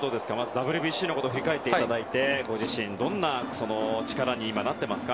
ＷＢＣのことを振り返っていただいてご自身、どんな力になっていますか？